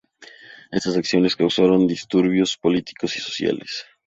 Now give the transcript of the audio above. Estas acciones causaron disturbios políticos y sociales.